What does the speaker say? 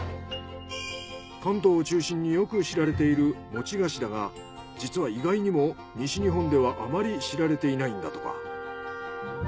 関東を中心によく知られている餅菓子だが実は意外にも西日本ではあまり知られていないんだとか。